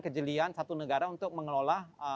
kejelian satu negara untuk mengelola